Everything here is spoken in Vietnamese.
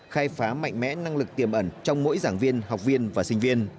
khai phá mạnh mẽ năng lực tiềm ẩn trong mỗi giảng viên học viên và sinh viên